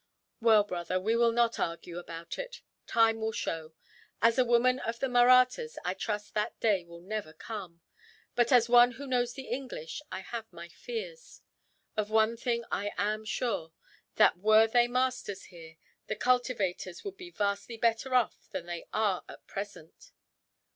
"Well, brother, we will not argue about it. Time will show. As a woman of the Mahrattas, I trust that day will never come; but as one who knows the English, I have my fears. Of one thing I am sure, that were they masters here, the cultivators would be vastly better off than they are at present."